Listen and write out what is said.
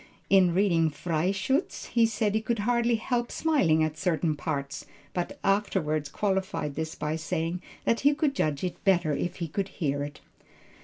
In reading Freischutz, he said he could hardly help smiling at certain parts, but afterward qualified this by saying that he could judge it better if he could hear it.